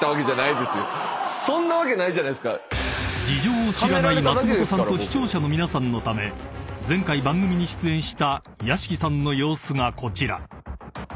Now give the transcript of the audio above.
［事情を知らない松本さんと視聴者の皆さんのため前回番組に出演した屋敷さんの様子がこちら］